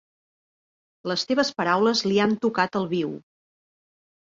Les teves paraules li han tocat el viu.